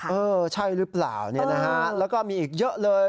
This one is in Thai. เออใช่หรือเปล่าแล้วก็มีอีกเยอะเลย